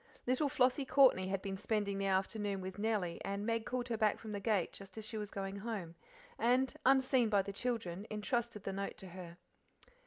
Little Flossie Courtney had been spending the afternoon with Nellie, and Meg called her back from the gate just as she was going home, and, unseen by the children, entrusted the note to her.